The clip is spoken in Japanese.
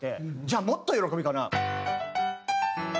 じゃあもっと喜びかな？